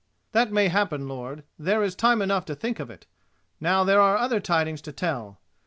"That may happen, lord. There is time enough to think of it. Now there are other tidings to tell.